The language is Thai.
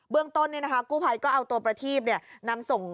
เรื่องต้นกู้ภัยก็เอาตัวประทีพนำส่ง